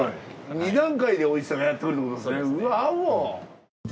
２段階でおいしさがやってくるってことですねワォ！